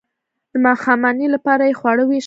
د ماښامنۍ لپاره یې خواړه ویشل.